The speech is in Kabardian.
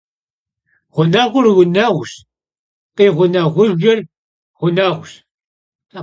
Ğuneğur vuneğuş, khiğuneğujjır ğuneğuş.